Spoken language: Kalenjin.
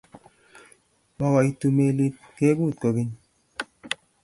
makoitu melit ngekut kokeny